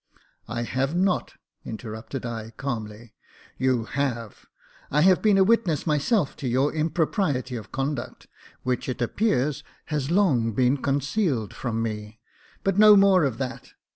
•* I have not," interrupted I, calmly. " You have. I have been a witness myself to your im propriety of conduct, which it appears has long been con cealed from me ; but no more of that.